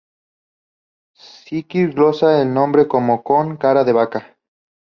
Squire glosa el nombre como 'con cara de vaca'.